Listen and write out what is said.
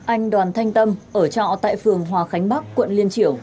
anh đoàn thanh tâm ở trọ tại phường hòa khánh bắc quận liên triểu